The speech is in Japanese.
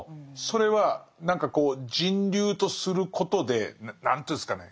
それは何かこう「人流」とすることで何ていうんですかね